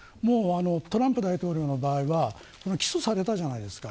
トランプ大統領の場合は起訴されたじゃないですか。